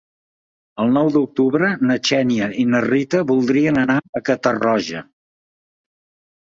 El nou d'octubre na Xènia i na Rita voldrien anar a Catarroja.